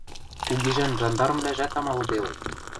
Кугижӓн жандармвлӓжӓт амалыделыт.